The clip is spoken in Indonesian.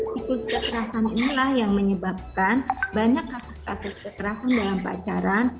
siklus kekerasan inilah yang menyebabkan banyak kasus kasus kekerasan dalam pacaran